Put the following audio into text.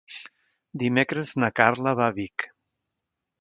Dimecres na Carla va a Vic.